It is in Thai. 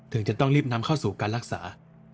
จะต้องรีบนำเข้าสู่การรักษา